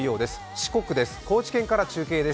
四国です。